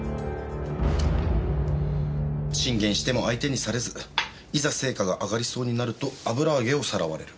進言しても相手にされずいざ成果が上がりそうになると油揚げをさらわれる。